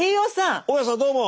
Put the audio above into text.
あ大家さんどうも。